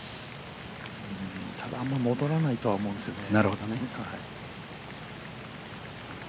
あまり戻らないとは思うんですよね。